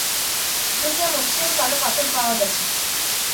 দুর্গে মসৃণ কালো পাথর পাওয়া গিয়েছে।